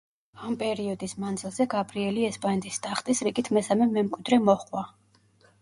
ამ პერიოდის მანძილზე გაბრიელი ესპანეთის ტახტის რიგით მესამე მემკვიდრე მოჰყვა.